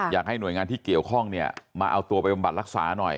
อยากให้หน่วยงานที่เกี่ยวข้องเนี่ยมาเอาตัวไปบำบัดรักษาหน่อย